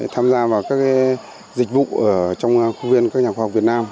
tham gia vào các dịch vụ trong khu viên các nhà khoa học việt nam